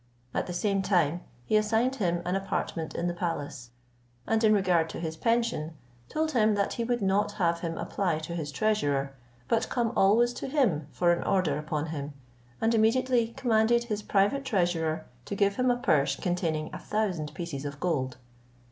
At the same time he assigned him an apartment in the palace, and, in regard to his pension, told him, that he would not have him apply to his treasurer, but come always to him for an order upon him, and immediately commanded his private treasurer to give him a purse containing a thousand pieces of gold.